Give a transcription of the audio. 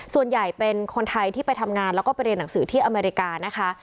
ส่วนใหญ่เป็นคนไทยที่ไปทำงานแล้วก็ไปเรียนหนังสือที่อเมริกานะคะ